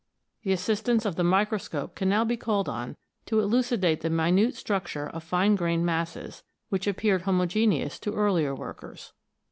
The assistance of the microscope can now be called on to elucidate the minute structure of fine grained masses, which appeared homogeneous to earlier workers.